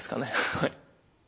はい。